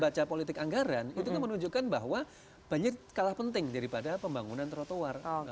baca politik anggaran itu menunjukkan bahwa banjir kalah penting daripada pembangunan trotoar